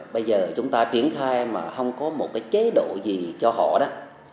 bây giờ chúng ta triển khai mà không có một cái chế độ gì cho họ đó